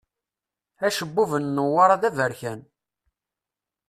Acebbub n Newwara d aberkan.